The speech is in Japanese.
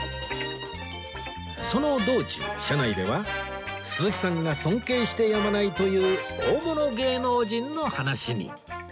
その道中車内では鈴木さんが尊敬してやまないという大物芸能人の話に